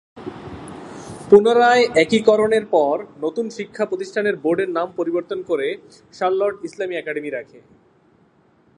পুনরায় একীকরণের পরে নতুন শিক্ষা প্রতিষ্ঠানের বোর্ড এর নাম পরিবর্তন করে শার্লট ইসলামি একাডেমি রাখে।